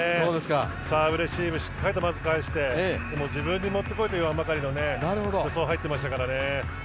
サーブレシーブしっかりと返して自分に持って来いと言わんばかりの助走に入ってましたからね。